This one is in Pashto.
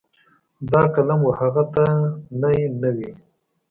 دا قلم و هغه ته نی نه وي.